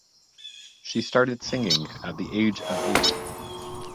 She started singing at the age of eight.